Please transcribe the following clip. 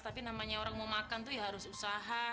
tapi namanya orang mau makan tuh ya harus usaha